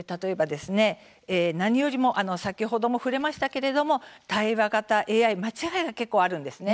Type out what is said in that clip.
何よりも先ほども触れましたが対話型ＡＩ間違いが結構あるんです。